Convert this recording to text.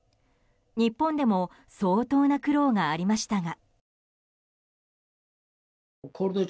日本でも相当な苦労がありましたが。